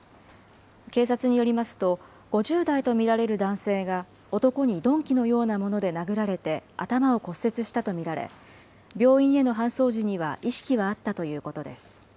警察によりますと、５０代と見られる男性が男に鈍器のようなもので殴られて、頭を骨折したと見られ、病院への搬送時には意識はあったということです。